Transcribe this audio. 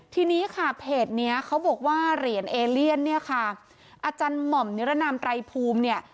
ทีนี้ค่ะเพจเนี้ยเขาบอกว่าเหรียญเอเลียนเนี่ยค่ะอาจารย์หม่อมนิรนามไตรภูมิเนี่ย